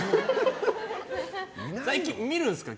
最近は見るんですか？